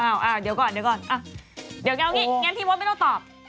อ้าวเดี๋ยวก่อนนี่อย่างนั้นพี่มดไม่ต้องตอบ